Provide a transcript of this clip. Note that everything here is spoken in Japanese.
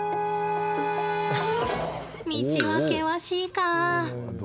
道は険しいか？